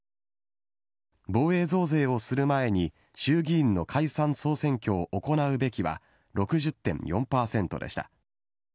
防衛増税をする前に衆議院の解散・総選挙を行うべきは６０．４％でした。